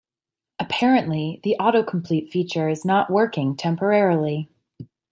Apparently, the autocomplete feature is not working temporarily.